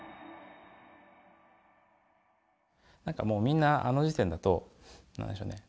みんなあの時点だと何でしょうね